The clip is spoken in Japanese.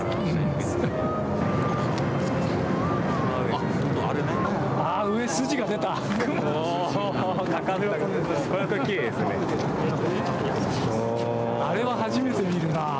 あれは初めて見るなあ。